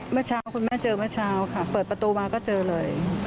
เมื่อเช้าคุณแม่เจอเมื่อเช้าค่ะเปิดประตูมาก็เจอเลย